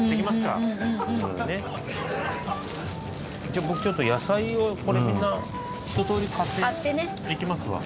じゃあ僕ちょっと野菜をこれみんなひととおり買っていきますわ。